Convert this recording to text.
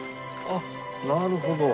あっなるほど。